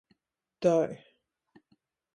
Tai...